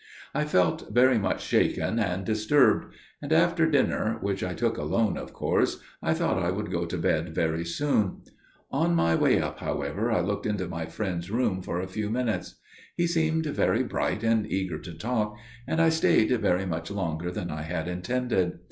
"I felt very much shaken and disturbed; and after dinner, which I took alone of course, I thought I would go to bed very soon. On my way up, however, I looked into my friend's room for a few minutes. He seemed very bright and eager to talk, and I stayed very much longer than I had intended.